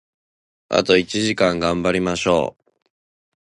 あと一時間、頑張りましょう！